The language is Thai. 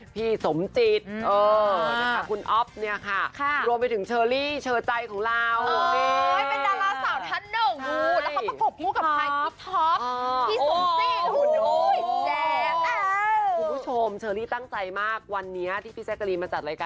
พี่สมจิตเออนะคะคุณออฟเนี่ยค่ะค่ะ